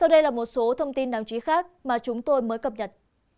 sau đây là một số thông tin đáng chú ý khác mà chúng tôi mới cập nhật